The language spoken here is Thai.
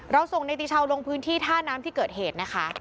เราส่งในติชาวลงพื้นที่ท่าน้ำที่เกิดเหตุนะคะ